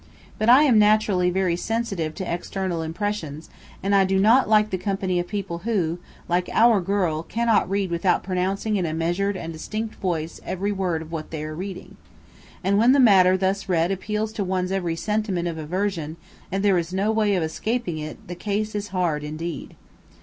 But I am naturally very sensitive to external impressions, and I do not like the company of people who, like our girl, cannot read without pronouncing in a measured and distinct voice every word of what they are reading. And when the matter thus read appeals to one's every sentiment of aversion, and there is no way of escaping it, the case is hard indeed.